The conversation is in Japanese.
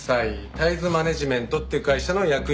タイズマネジメントっていう会社の役員でした。